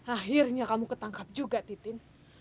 akhirnya kamu ketangkap juga titin